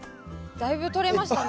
だいぶとれましたね。